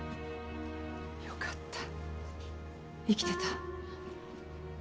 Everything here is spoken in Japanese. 良かった生きてた。